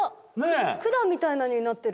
管みたいになってる。